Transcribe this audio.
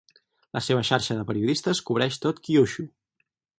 La seva xarxa de periodistes cobreix tot Kyushu.